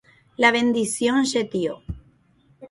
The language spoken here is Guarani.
La bendición che tio.